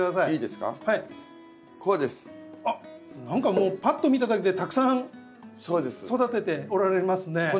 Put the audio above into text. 何かもうパッと見ただけでたくさん育てておられますね。